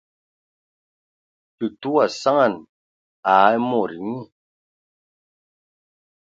Tətə wa saŋan aaa mod nyi.